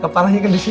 kepalanya kan di situ